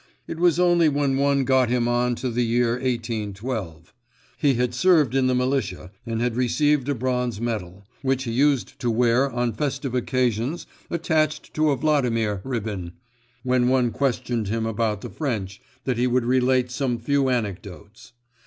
It was only when one got him on to the year 1812 he had served in the militia, and had received a bronze medal, which he used to wear on festive occasions attached to a Vladimir ribbon when one questioned him about the French, that he would relate some few anecdotes.